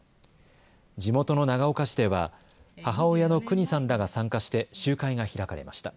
地元の長岡市では母親のクニさんらが参加して集会が開かれました。